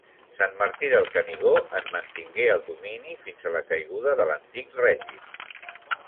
Sant Martí del Canigó en mantingué el domini fins a la caiguda de l'Antic Règim.